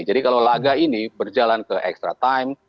jadi kalau laga ini berjalan ke extra time